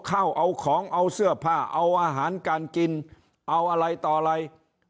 ข้าวเอาของเอาเสื้อผ้าเอาอาหารการกินเอาอะไรต่ออะไร